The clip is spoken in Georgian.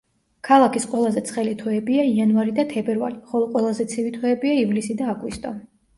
ქალაქის ყველაზე ცხელი თვეებია იანვარი და თებერვალი, ხოლო ყველაზე ცივი თვეებია ივლისი და აგვისტო.